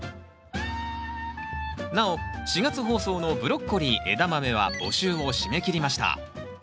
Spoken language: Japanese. なお４月放送のブロッコリーエダマメは募集を締め切りました。